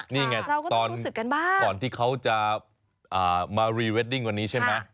นี่ไงตอนที่เขาจะมารีเวดดิ้งวันนี้ใช่ไหม